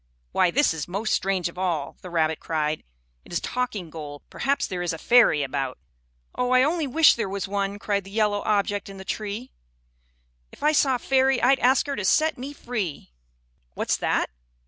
"Why, this is most strange of all!" the rabbit cried. "It is talking gold. Perhaps there is a fairy about." "Oh, I only wish there was one!" cried the yellow object in the tree. "If I saw a fairy I'd ask her to set me free." "What's that?